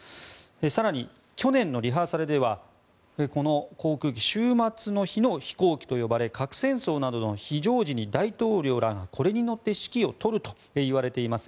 更に、去年のリハーサルではこの航空機終末の日の飛行機と呼ばれ核戦争などの非常時に大統領らがこれに乗って指揮を執るといわれています